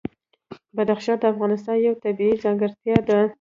بدخشان د افغانستان یوه طبیعي ځانګړتیا ده.